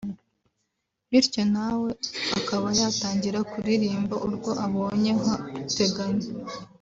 bityo nawe akaba yatangira kuririmba urwo abonye nka Teganya